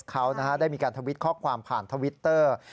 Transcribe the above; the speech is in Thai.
เขาได้มีการทวิตข้อความผ่านทวิตเตอร์